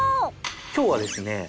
今日はですね